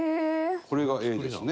これがＡですね。